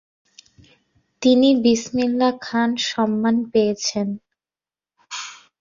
তিনি বিসমিল্লাহ খান সম্মান পেয়েছেন।